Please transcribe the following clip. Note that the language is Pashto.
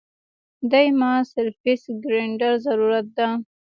دې ما سرفېس ګرېنډر ضرورت ده